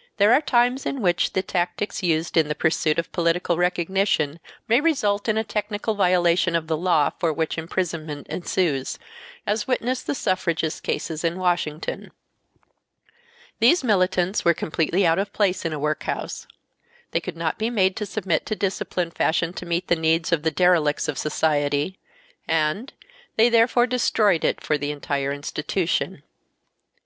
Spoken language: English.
. "There are times in which the tactics used in the pursuit of political recognition may result in a technical violation of the law for which imprisonment ensues, as witness the suffragist cases in Washington .... These militants were completely out of place in a workhouse, ... they could not be made to submit to discipline fashioned to meet the needs of the derelicts of society, and ... they therefore destroyed it for the entire institution."